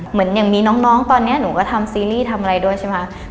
เหมือนอย่างมีน้องตอนนี้หนูก็ทำซีรีส์ทำอะไรด้วยใช่ไหมคะ